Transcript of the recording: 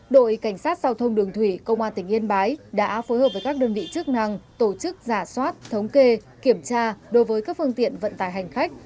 đội cảnh sát giao thông đường thủy công an tỉnh yên bái đã phối hợp với các đơn vị chức năng tổ chức giả soát thống kê kiểm tra đối với các phương tiện vận tải hành khách